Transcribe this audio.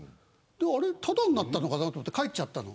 あれ、ただになったのかなと思って帰っちゃったの。